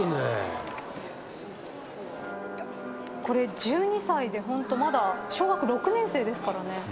これ１２歳でまだ小学６年生ですからね。